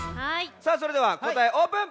さあそれではこたえオープン！